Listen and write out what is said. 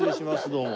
どうも。